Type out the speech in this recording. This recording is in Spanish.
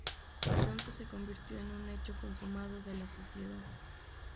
Pronto se convirtió en un hecho consumado de la sociedad.